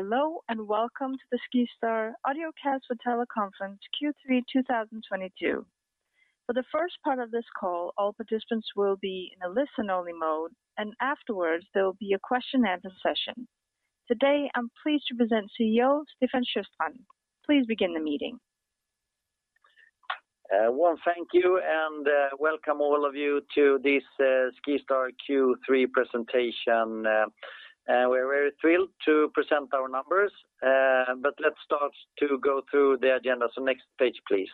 Hello, and welcome to the SkiStar audiocast for teleconference Q3 2022. For the first part of this call all participants will be in a listen-only mode, and afterwards, there will be a question and answer session. Today, I'm pleased to present CEO Stefan Sjöstrand. Please begin the meeting. Well, Thank you, and welcome all of you to this SkiStar Q3 presentation. We're very thrilled to present our numbers, but let's start to go through the agenda. Next page, please.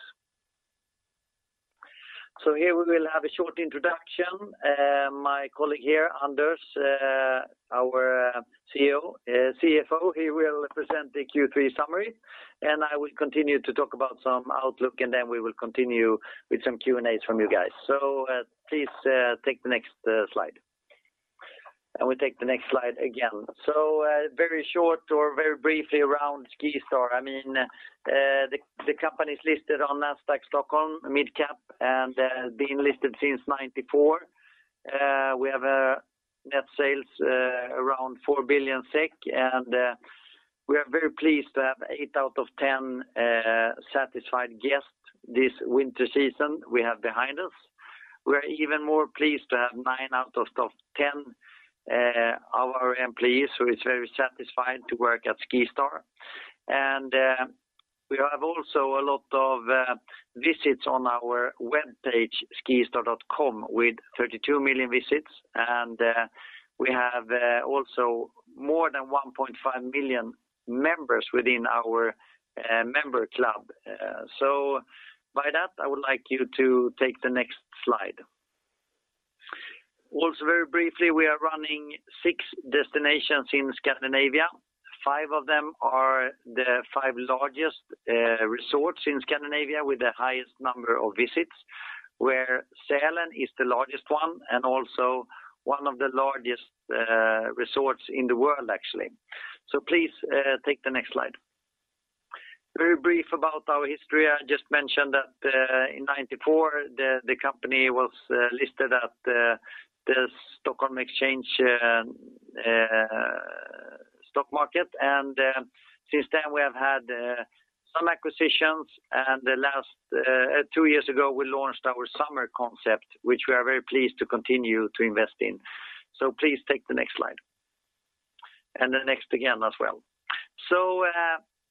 Here we will have a short introduction. My colleague here, Anders, our CFO, he will present the Q3 summary. I will continue to talk about some outlook, and then we will continue with some Q&As from you guys. Please take the next slide we take the next slide again. Very short or very briefly around SkiStar i mean, the company is listed on Nasdaq Stockholm Mid Cap and been listed since 1994. We have net sales around 4 billion SEK, and we are very pleased to have eight out of 10 satisfied guests this winter season we have behind us. We're even more pleased to have nine out of 10 our employees who is very satisfied to work at SkiStar. We have also a lot of visits on our webpage skistar.com with 32 million visits. We have also more than 1.5 million members within our member club so by that i would like you to take the next slide. Very briefly, we are running six destinations in Scandinavia five of them are the five largest resorts in Scandinavia with the highest number of visits, where Sälen is the largest one and also one of the largest resorts in the world actually. Please take the next slide. Very brief about our history i just mentioned that in 1994 the company was listed at the Nasdaq Stockholm stock market since then we have had some acquisitions the last two years ago we launched our summer concept, which we are very pleased to continue to invest in. Please take the next slide. The next again as well.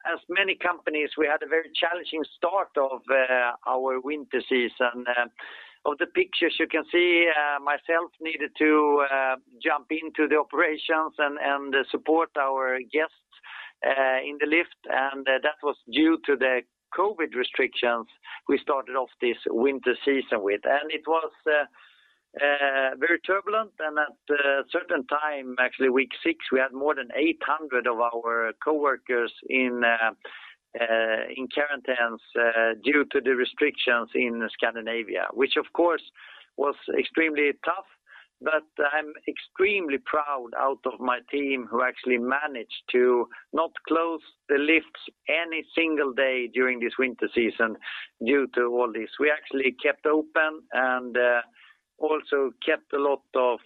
As many companies, we had a very challenging start of our winter season of the pictures you can see myself needed to jump into the operations and support our guests in the lift. That was due to the COVID restrictions we started off this winter season with. It was very turbulent. At a certain time actually week six we had more than 800 of our coworkers in quarantines due to the restrictions in Scandinavia, which of course was extremely tough. I'm extremely proud of my team who actually managed to not close the lifts any single day during this winter season due to all this we actually kept open and also kept a lot of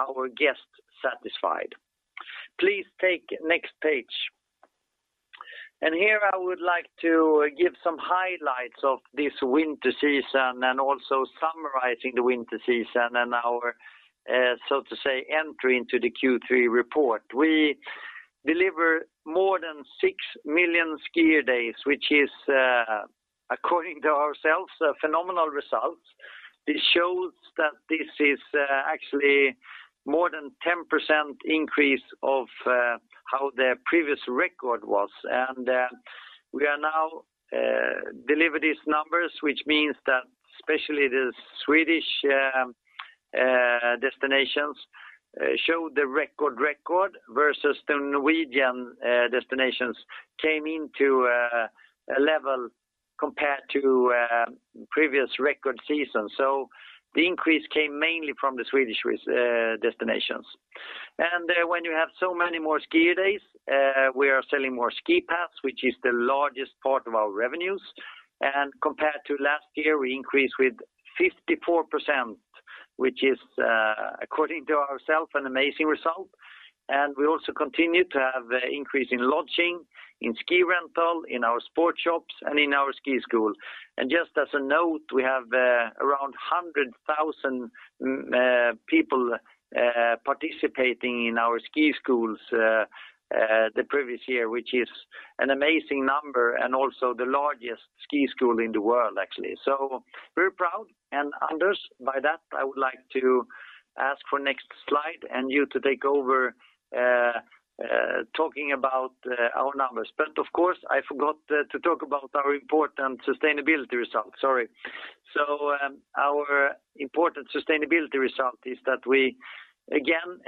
our guests satisfied. Please take next page. Here I would like to give some highlights of this winter season and also summarizing the winter season and our so to say entry into the Q3 report. We delivered more than six million skier days, which is according to ourselves a phenomenal result. This shows that this is actually more than 10% increase of how the previous record was. We are now delivering these numbers, which means that especially the Swedish destinations show record versus the Norwegian destinations came into a level compared to previous record season. The increase came mainly from the Swedish destinations. When you have so many more skier days we are selling more SkiPass, which is the largest part of our revenues. Compared to last year we increased with 54% which is according to ourselves an amazing result. We also continue to have increases in lodging, in ski rental, in our sports shops, and in our ski school. Just as a note, we have around hundred thousand people participating in our ski schools the previous year, which is an amazing number and also the largest ski school in the world actually. Very proud. Anders, by that, I would like to ask for next slide and you to take over talking about our numbers of course, I forgot to talk about our important sustainability result sorry. Our important sustainability result is that we, again,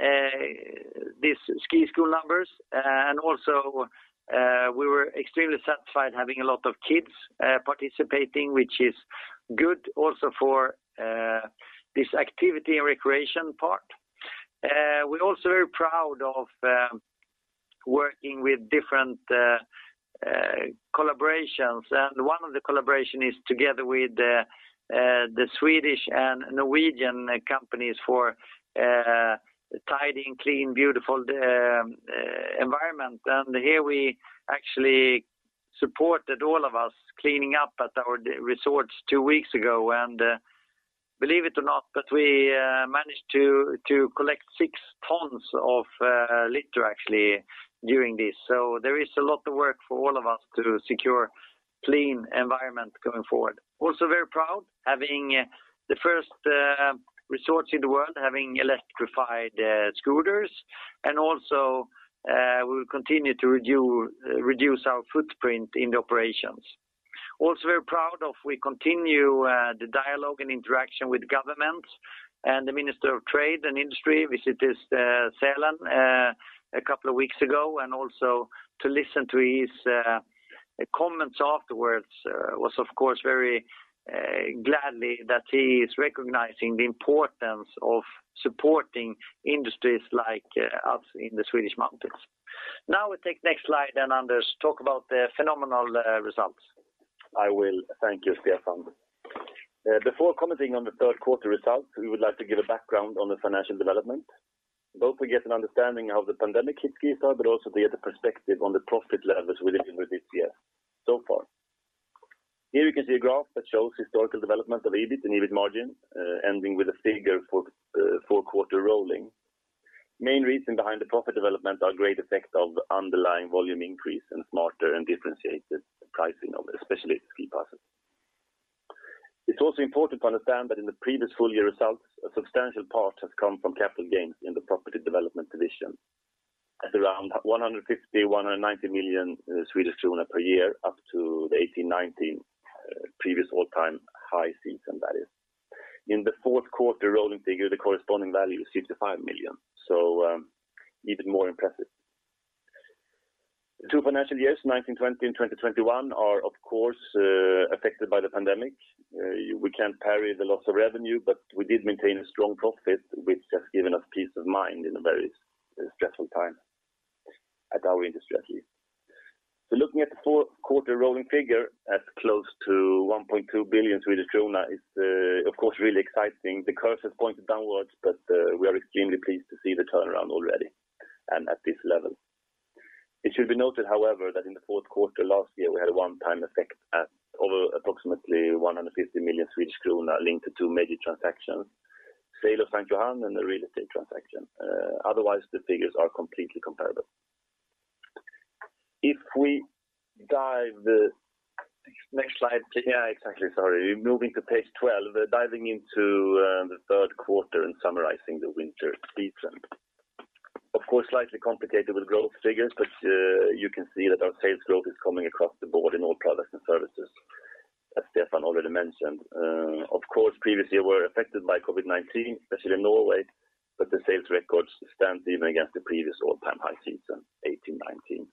this ski school numbers and also we were extremely satisfied having a lot of kids participating which is good also for this activity and recreation part. We're also very proud of working with different collaborations. One of the collaborations is together with the Swedish and Norwegian companies for tidying, clean, beautiful environment. Here we actually supported all of us cleaning up at our resorts two weeks ago. Believe it or not, but we managed to collect six tons of litter actually during this. There is a lot of work for all of us to secure clean environment going forward. Very proud having the first resorts in the world having electrified scooters. We will continue to reduce our footprint in the operations. Very proud of we continue the dialogue and interaction with government and the Minister of trade and Industry which is [Karl-Petter Thorwaldsson], a couple of weeks ago. Also to listen to his comments afterwards was of course very glad that he is recognizing the importance of supporting industries like us in the Swedish mountains. Now we take next slide, and Anders talk about the phenomenal results. I will thank you, Stefan. Before commenting on the third quarter results we would like to give a background on the financial development. Both we get an understanding of the pandemic hit SkiStar, but also to get a perspective on the profit levels within this year so far. Here you can see a graph that shows historical development of EBIT and EBIT margin, ending with a figure for four-quarter rolling. Main reason behind the profit development are great effects of underlying volume increase and smarter and differentiated pricing of especially ski passes. It's also important to understand that in the previous full year results a substantial part has come from capital gains in the property development division at around 150 million-190 million Swedish kronor per year, up to the 2018-2019 previous all-time high season, that is. In the fourth quarter rolling figure, the corresponding value is 65 million. Even more impressive. Two financial years, 2019-2020 and 2020-2021 are of course affected by the pandemic. We can't parry the loss of revenue, but we did maintain a strong profit which has given us peace of mind in a very stressful time at our industry at least. Looking at the four quarter rolling figure at close to 1.2 billion Swedish krona is of course really exciting. The curve has pointed downwards, but we are extremely pleased to see the turnaround already and at this level. It should be noted, however, that in the fourth quarter last year we had a one-time effect at over approximately 150 million Swedish kronor linked to two major transactions, sale of St. Johann and the real estate transaction. Otherwise the figures are completely comparable. Next slide. Moving to page 12 diving into the third quarter and summarizing the winter season. Of course, slightly complicated with growth figures, but you can see that our sales growth is coming across the board in all products and services, as Stefan already mentioned. Of course, previously were affected by COVID-19 especially in Norway, but the sales records stand even against the previous all-time high season, 2018-2019.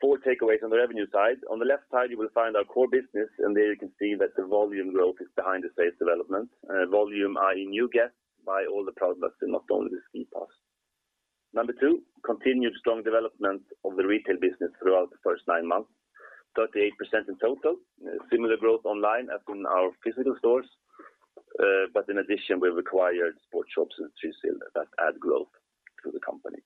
Four takeaways on the revenue side. On the left side you will find our core business, and there you can see that the volume growth is behind the sales development. Volume i.e. new guests buy all the products and not only the ski pass. Number two, continued strong development of the retail business throughout the first nine months 38% in total. Similar growth online as in our physical stores. But in addition, we acquired sports shops in Switzerland that add growth to the company.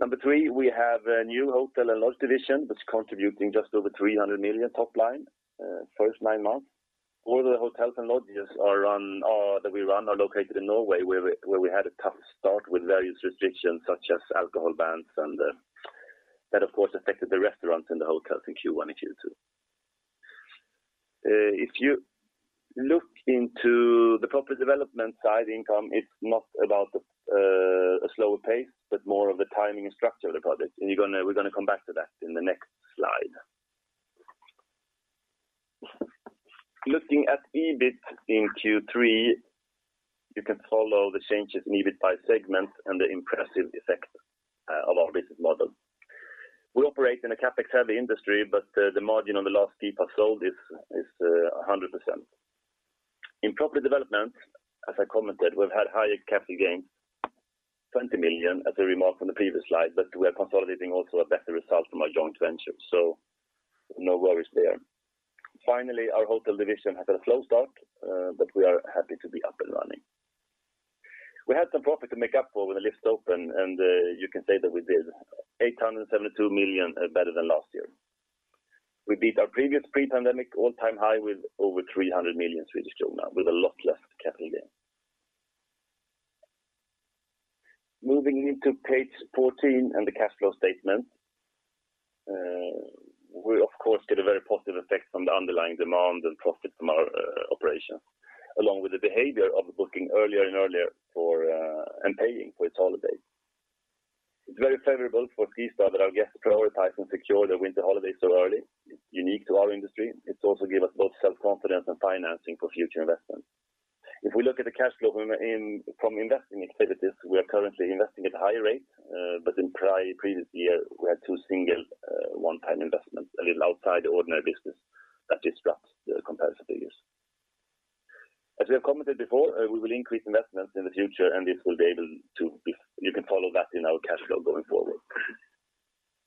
Number three, we have a new hotel and lodge division that's contributing just over 300 million top line first nine months. All the hotels and lodges that we run are located in Norway where we had a tough start with various restrictions such as alcohol bans and that of course affected the restaurants and the hotels in Q1 and Q2. If you look into the property development side income it's not about a slower pace, but more of the timing and structure of the project. We're gonna come back to that in the next slide. Looking at EBIT in Q3 you can follow the changes in EBIT by segment and the impressive effect of our business model. We operate in a CapEx-heavy industry, but the margin on the last ski pass sold is 100%. In property development, as I commented, we've had higher capital gains, 20 million as a remark from the previous slide, but we are consolidating also a better result from our joint venture. No worries there. Finally, our hotel division has had a slow start, but we are happy to be up and running. We had some profit to make up for when the lifts opened, and you can say that we did. 872 million better than last year. We beat our previous pre-pandemic all-time high with over 300 million with a lot less capital gain. Moving into page 14 and the cash flow statement. We of course get a very positive effect from the underlying demand and profit from our operations, along with the behavior of the booking earlier and earlier for and paying for its holiday. It's very favorable for SkiStar that our guests prioritize and secure their winter holiday so early. It's unique to our industry it's also give us both self-confidence and financing for future investments. If we look at the cash flow from investing activities we are currently investing at a higher rate. In previous year, we had two single one-time investment, a little outside the ordinary business that disrupts the comparison figures. As we have commented before, we will increase investments in the future, and you can follow that in our cash flow going forward.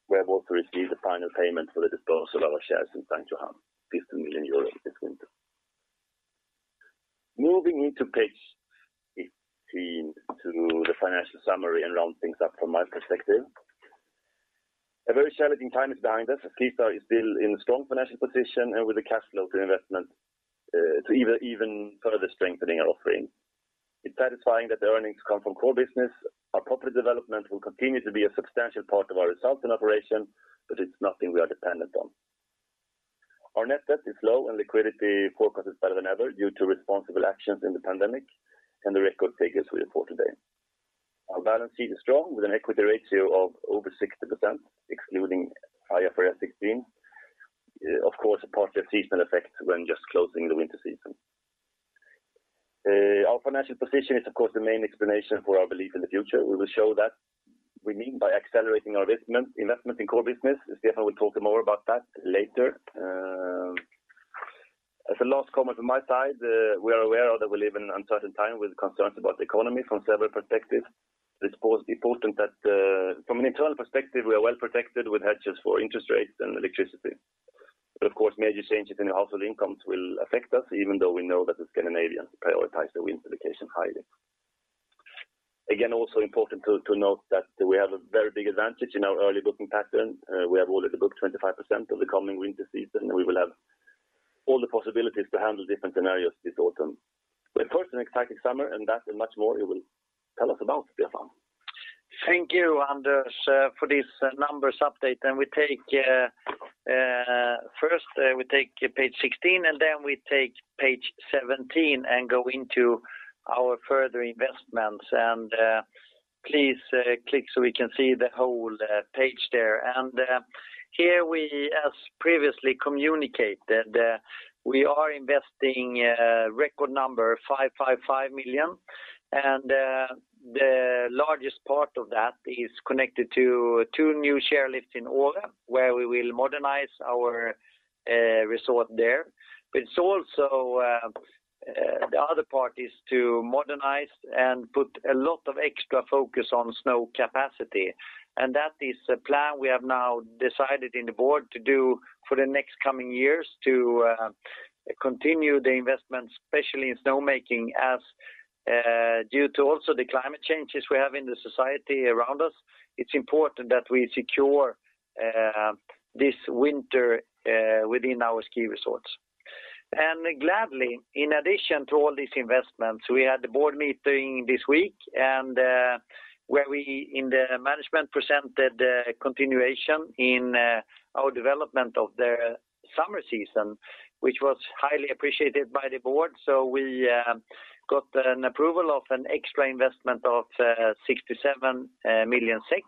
We have also received the final payment for the disposal of our shares in St. Johann EUR 50 million this winter. Moving into page 18 to the financial summary and round things up from my perspective. A very challenging time is behind us as SkiStar is still in a strong financial position and with the cash flow to investment to even further strengthening our offering. It's satisfying that the earnings come from core business. Our property development will continue to be a substantial part of our results and operation, but it's nothing we are dependent on. Our net debt is low, and liquidity forecast is better than ever due to responsible actions in the pandemic and the record figures we report today. Our balance sheet is strong, with an equity ratio of over 60%, excluding IFRS 16. Of course, a part of seasonal effect when just closing the winter season. Our financial position is, of course, the main explanation for our belief in the future. We will show that we mean by accelerating our investment in core business. Stefan will talk more about that later. As a last comment from my side, we are aware that we live in an uncertain time with concerns about the economy from several perspectives. It's also important that, from an internal perspective, we are well protected with hedges for interest rates and electricity. But of course, major changes in the household incomes will affect us even though we know that the Scandinavians prioritize their winter vacation highly. Again, also important to note that we have a very big advantage in our early booking pattern. We have already booked 25% of the coming winter season, and we will have all the possibilities to handle different scenarios this autumn. First, an exciting summer, and that and much more you will tell us about, Stefan. Thank you, Anders, for this numbers update. First, we take page 16, and then we take page 17 and go into our further investments. Please, click so we can see the whole page there. Here, as previously communicated, we are investing record number 555 million. The largest part of that is connected to two new chairlifts in [Åre], where we will modernize our resort there. It's also. The other part is to modernize and put a lot of extra focus on snow capacity. That is a plan we have now decided in the board to do for the next coming years to continue the investment, especially in snowmaking, as due to also the climate changes we have in the society around us, it's important that we secure this winter within our ski resorts. Gladly, in addition to all these investments, we had the board meeting this week, and where we in the management presented a continuation in our development of the summer season which was highly appreciated by the board. We got an approval of an extra investment of 67 million SEK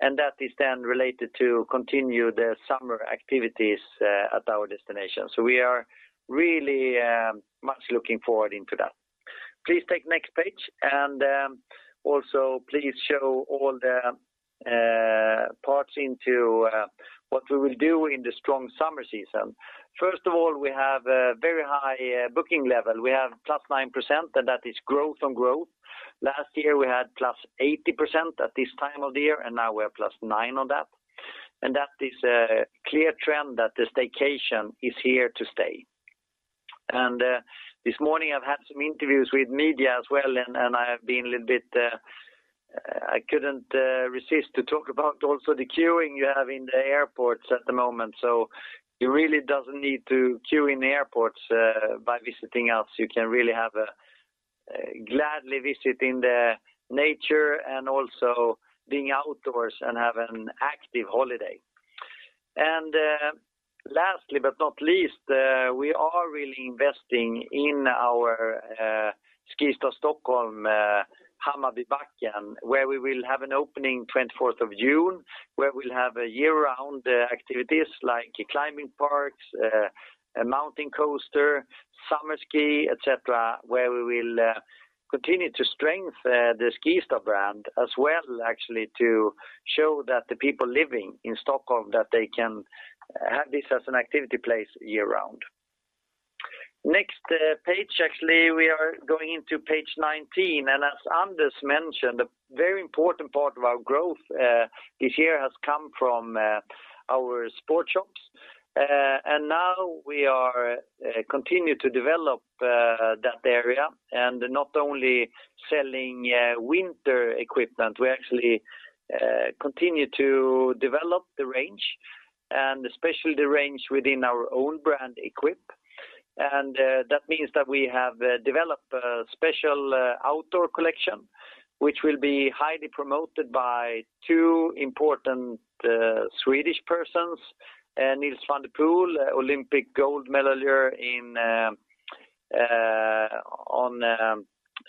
and that is then related to continue the summer activities at our destination we are really much looking forward into that. Please take next page. Also please show all the parts into what we will do in the strong summer season. First of all, we have a very high booking level we have +9% and that is growth on growth. Last year, we had +80% at this time of the year, and now we're +9% on that. That is a clear trend that the staycation is here to stay. This morning I've had some interviews with media as well, and I have been a little bit I couldn't resist to talk about also the queuing you have in the airports at the moment. You really doesn't need to queue in the airports by visiting us. You can really have a gladly visit in the nature and also being outdoors and have an active holiday. Lastly but not least, we are really investing in our SkiStar Stockholm, Hammarbybacken, where we will have an opening June 24th, where we'll have year-round activities like climbing parks, a Mountain Coaster, summer ski, et cetera, where we will continue to strengthen the SkiStar brand as well actually to show that the people living in Stockholm, that they can have this as an activity place year-round. Next page, actually, we are going into page 19. As Anders mentioned, a very important part of our growth this year has come from our sports shops. Now we continue to develop that area and not only selling winter equipment, we actually continue to develop the range, and especially the range within our own brand, EQPE. That means that we have developed a special outdoor collection, which will be highly promoted by two important Swedish persons, Nils van der Poel, Olympic gold medalist in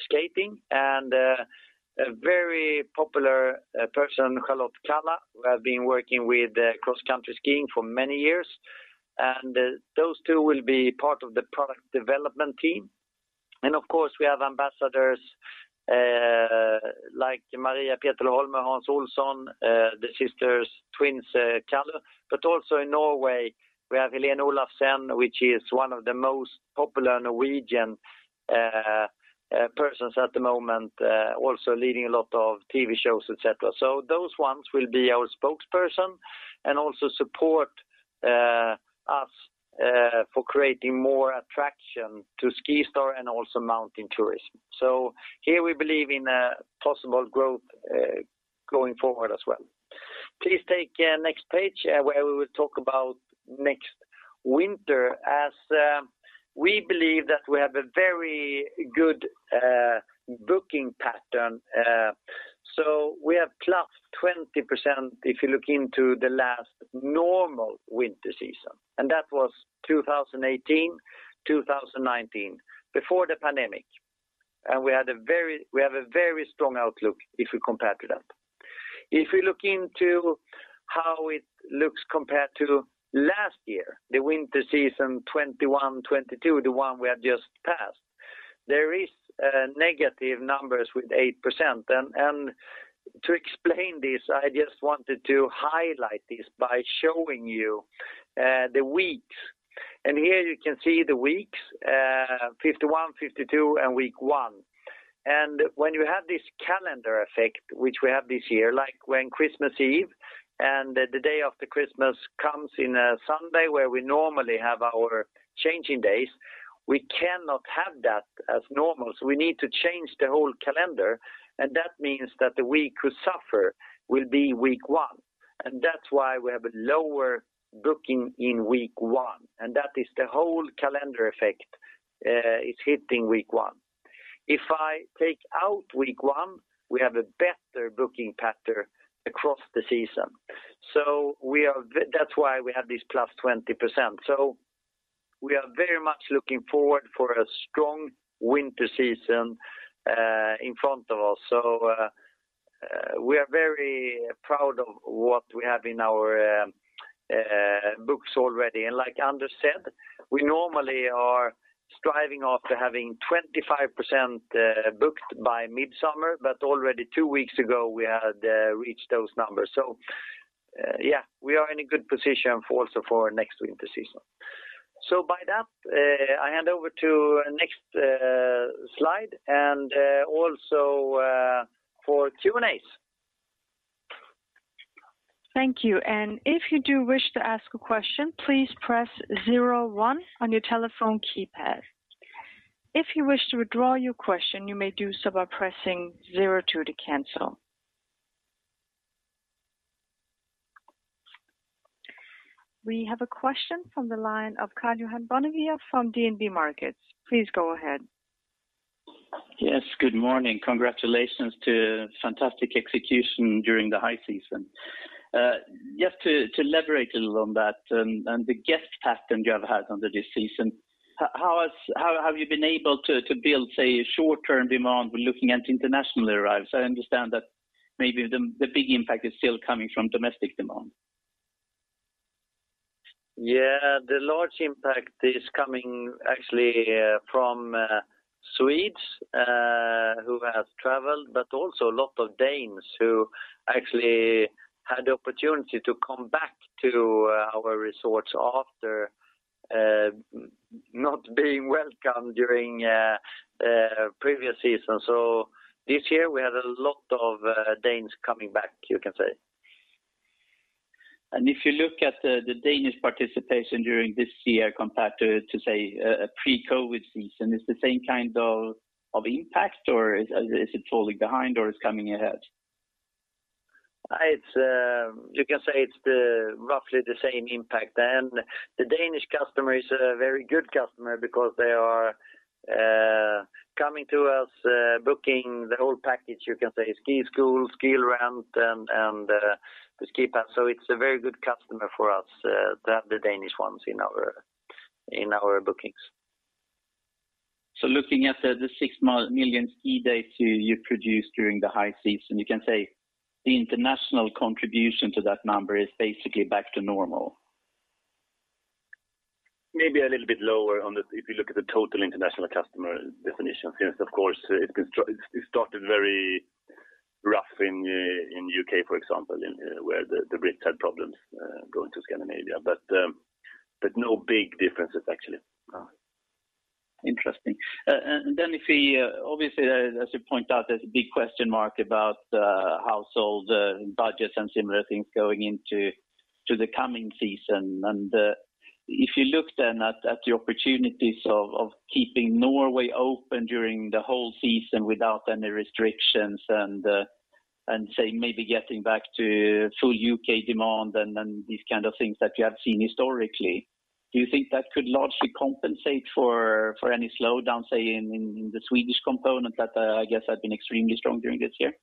skating, and a very popular person, Charlotte Kalla, who have been working with cross-country skiing for many years. Those two will be part of the product development team. Of course, we have ambassadors like Maria Pietilä Holmner, Hans Olsson, the sisters twins, Kalla. Also in Norway, we have Helene Olafsen, which is one of the most popular Norwegian persons at the moment, also leading a lot of TV shows, et cetera. Those ones will be our spokesperson and also support us for creating more attraction to SkiStar and also mountain tourism. Here we believe in possible growth going forward as well. Please take next page where we will talk about next winter as we believe that we have a very good booking pattern. We have +20% if you look into the last normal winter season, and that was 2018-2019, before the pandemic. We have a very strong outlook if you compare to that. If you look into how it looks compared to last year the winter season 2021-2022, the one we have just passed, there is negative numbers with 8%. To explain this, I just wanted to highlight this by showing you the weeks. Here you can see the weeks 51-52 and week one. When you have this calendar effect, which we have this year, like when Christmas Eve and the day after Christmas comes in a Sunday where we normally have our changing days, we cannot have that as normal. We need to change the whole calendar, and that means that the week who suffer will be week one. That's why we have a lower booking in week one. That is the whole calendar effect is hitting week one. If I take out week one, we have a better booking pattern across the season. That's why we have this +20%. We are very much looking forward for a strong winter season in front of us. We are very proud of what we have in our books already. Like Anders said, we normally are striving after having 25% booked by midsummer, but already two weeks ago, we had reached those numbers. Yeah, we are in a good position for also for next winter season. By that, I hand over to next slide and also for Q&As. Thank you. If you do wish to ask a question, please press zero one on your telephone keypad. If you wish to withdraw your question, you may do so by pressing zero two to cancel. We have a question from the line of Karl-Johan Bonnevier from DNB Markets. Please go ahead. Yes, good morning. Congratulations to fantastic execution during the high season. Just to elaborate a little on that and the guest pattern you have had under this season how have you been able to build say, short-term demand when looking at international arrivals? I understand that maybe the big impact is still coming from domestic demand. Yeah. The large impact is coming actually from Swedes who have traveled, but also a lot of Danes who actually had the opportunity to come back to our resorts after previous season. This year, we had a lot of Danes coming back, you can say. If you look at the Danish participation during this year compared to say a pre-COVID season, it's the same kind of impact, or is it falling behind or it's coming ahead? It's you can say it's roughly the same impact. The Danish customer is a very good customer because they are coming to us booking the whole package, you can say, ski school, ski rent, and the ski pass. It's a very good customer for us, the Danish ones in our bookings. Looking at the 6 million skier days you produced during the high season, you can say the international contribution to that number is basically back to normal. Maybe a little bit lower if you look at the total international customer definition. Because of course, it started very rough in U.K., for example, where the Brits had problems going to Scandinavia. No big differences actually. Interesting. If we obviously, as you point out, there's a big question mark about household budgets and similar things going into the coming season. If you look at the opportunities of keeping Norway open during the whole season without any restrictions and say maybe getting back to full U.K. demand and these kind of things that you have seen historically, do you think that could largely compensate for any slowdown, say, in the Swedish component that I guess had been extremely strong during this year?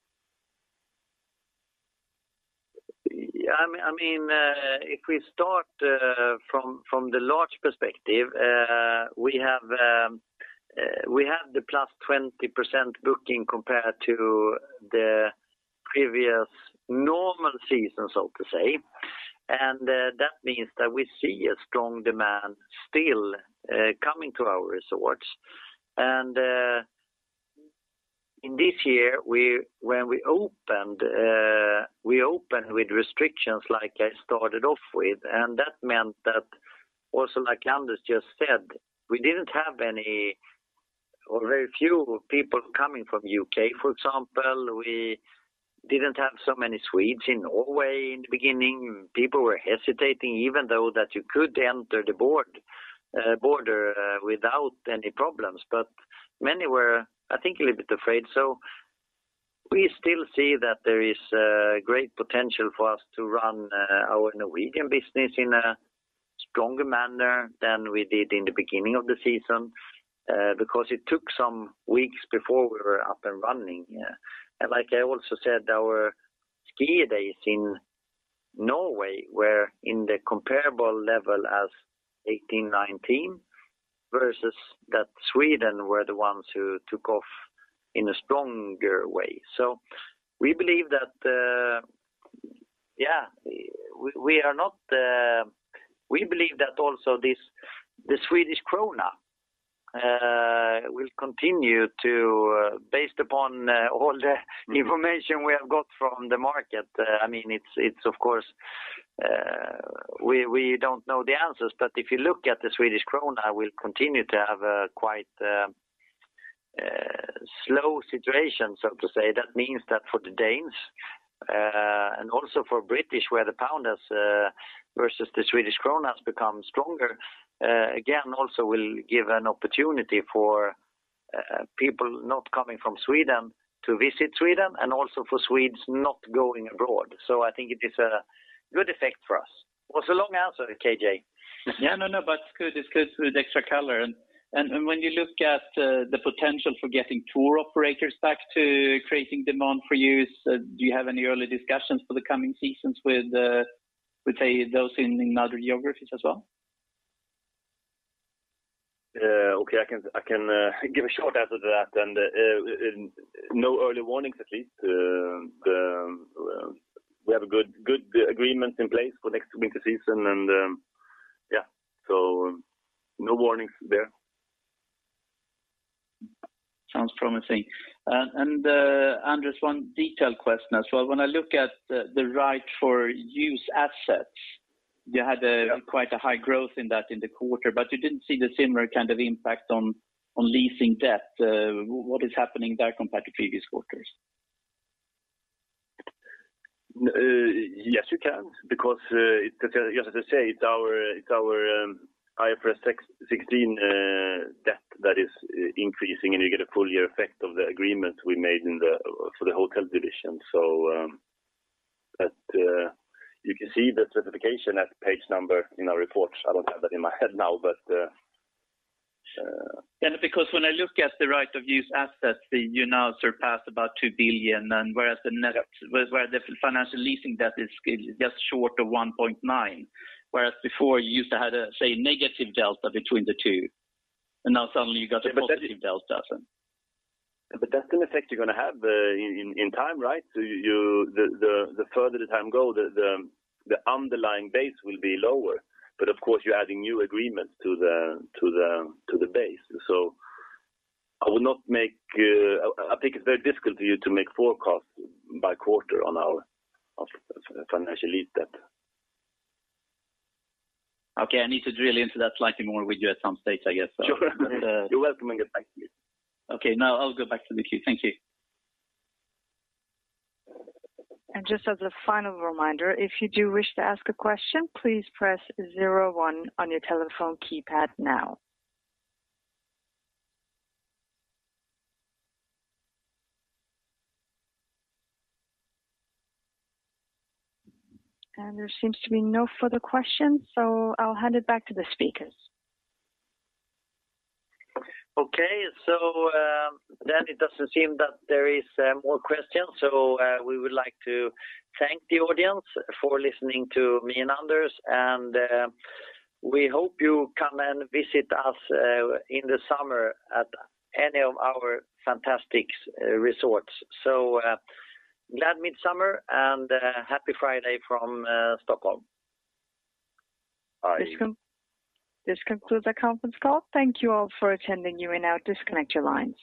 Yeah. I mean, if we start from the large perspective we have the +20% booking compared to the previous normal season so to say. That means that we see a strong demand still coming to our resorts. In this year when we opened, we opened with restrictions like I started off with, and that meant that also like Anders just said, we didn't have any or very few people coming from U.K. for example we didn't have so many Swedes in Norway in the beginning people were hesitating, even though that you could enter the border without any problems many were i think a little bit afraid. We still see that there is great potential for us to run our Norwegian business in a stronger manner than we did in the beginning of the season because it took some weeks before we were up and running. Like I also said, our skier days in Norway were in the comparable level as 2018-2019, versus that Sweden were the ones who took off in a stronger way. We believe that also this the Swedish krona, will continue to have a quite slow situation, so to say. Based upon all the information we have got from the market, I mean, it's of course we don't know the answers, but if you look at the Swedish krona will continue to have a quite slow situation, so to say. That means that for the Danes, and also for British, where the pound has versus the Swedish krona has become stronger, again, also will give an opportunity for people not coming from Sweden to visit Sweden and also for Swedes not going abroad. I think it is a good effect for us. It was a long answer, KJ. Yeah, no, but it's good. It's good with extra color. When you look at the potential for getting tour operators back to creating demand for you, so do you have any early discussions for the coming seasons with, say, those in other geographies as well? Okay, I can give a short answer to that. No early warnings, at least. We have a good agreement in place for next winter season. No warnings there. Sounds promising. Anders, one detailed question as well. When I look at the right-of-use assets, you had a quite a high growth in that in the quarter, but you didn't see the similar kind of impact on leasing debt. What is happening there compared to previous quarters? Yes, you can because as I say, it's our IFRS 16 debt that is increasing, and you get a full year effect of the agreement we made for the hotel division. You can see the certification at page number in our reports. I don't have that in my head now. Yeah, because when I look at the right-of-use assets, you now surpass about 2 billion, and whereas the financial leasing debt is just short of 1.9 billion, whereas before you used to have, say, a negative delta between the two, and now suddenly you got a positive delta. That's an effect you're gonna have in time, right? The further the time go, the underlying base will be lower. Of course, you're adding new agreements to the base. I will not make. I think it's very difficult for you to make forecasts by quarter on our financial lease debt. Okay, I need to drill into that slightly more with you at some stage, I guess. Sure. You're welcome. Get back to you. Okay, now I'll go back to the queue. Thank you. Just as a final reminder, if you do wish to ask a question, please press zero one on your telephone keypad now. There seems to be no further questions, so I'll hand it back to the speakers. Okay. It doesn't seem that there is more questions. We would like to thank the audience for listening to me and Anders. We hope you come and visit us in the summer at any of our fantastic resorts. Glad Midsummer and happy Friday from Stockholm. All right. This concludes the conference call. Thank you all for attending. You may now disconnect your lines.